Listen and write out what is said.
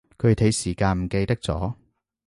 具體時間唔記得咗